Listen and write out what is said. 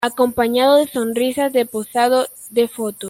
acompañado de sonrisas de posado de foto